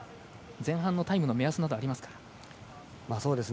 前半のタイムの目安などはありますか？